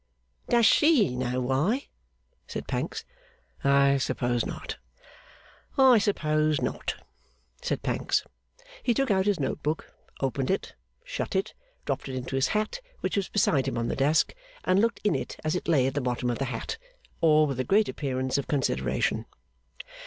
'Does she know why?' said Pancks. 'I suppose not.' 'I suppose not,' said Pancks. He took out his note book, opened it, shut it, dropped it into his hat, which was beside him on the desk, and looked in at it as it lay at the bottom of the hat: all with a great appearance of consideration.